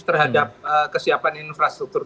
terhadap kesiapan infrastruktur